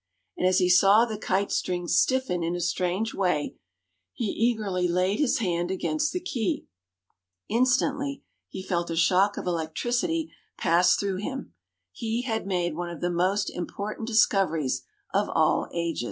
And as he saw the kite string stiffen in a strange way, he eagerly laid his hand against the key. Instantly he felt a shock of electricity pass through him. He had made one of the most important discoveries of all ages!